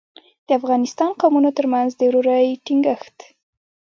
د افغانستان قومونو ترمنځ د ورورۍ ټینګښت.